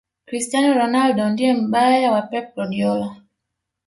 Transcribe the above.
cristiano ronaldo ndiye mbaya wa pep guardiola